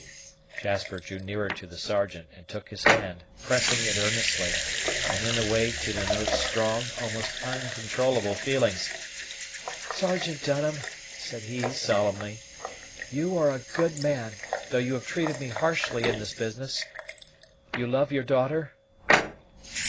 Jasper drew nearer to the Sergeant, and took his hand, pressing it earnestly, and in a way to denote strong, almost uncontrollable feelings. "Sergeant Dunham," said he solemnly, "you are a good man, though you have treated me harshly in this business. You love your daughter?"